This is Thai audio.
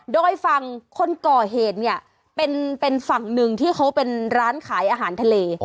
โดยฝั่งคนก่อเหตุเนี่ยเป็นฝั่งหนึ่งที่เขาเป็นร้านขายอาหารทะเล